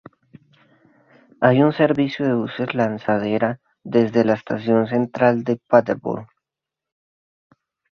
Hay un servicio de buses lanzadera desde la estación central de Paderborn.